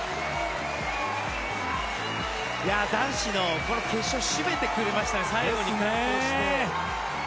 男子の決勝最後、締めてくれましたね。